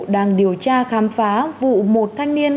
đang điều tra khám phá vụ một thanh niên